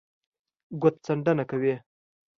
ګوتڅنډنه کوي